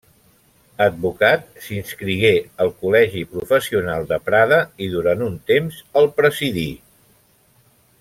Advocat, s'inscrigué al col·legi professional de Prada i durant un temps el presidí.